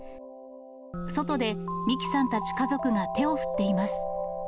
外で美紀さんたち家族が手を振っています。